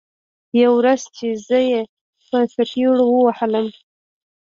يوه ورځ چې زه يې په څپېړو ووهلم.